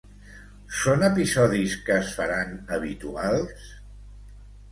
són episodis que es faran habituals?